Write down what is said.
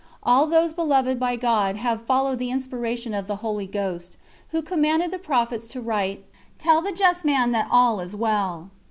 All those beloved by God have followed the inspiration of the Holy Ghost, who commanded the prophets to write: "Tell the just man that all is well."